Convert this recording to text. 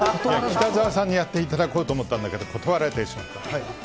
北澤さんにやってもらおうと思ったんだけど、断られてしまった。